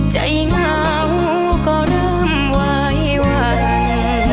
ใจเหงาก็เริ่มไหววัน